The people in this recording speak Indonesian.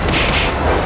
aku akan menang